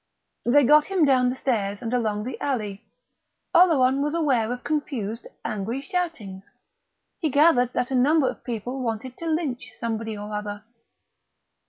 They got him down the stairs and along the alley. Oleron was aware of confused angry shoutings; he gathered that a number of people wanted to lynch somebody or other.